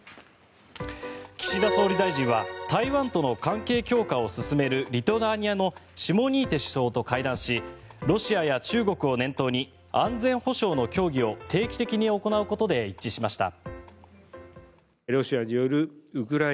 岸田総理大臣は台湾との関係強化を進めるリトアニアのシモニーテ首相と会談しロシアや中国を念頭に安全保障の協議を定期的に行うことで一致しました。